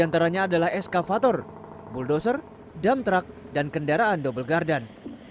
di antaranya adalah eskavator bulldozer dump truck dan kendaraan double garden